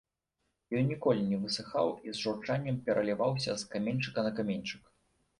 Ён ніколі не высыхаў і з журчаннем пераліваўся з каменьчыка на каменьчык.